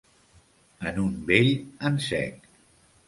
En un bell en sec.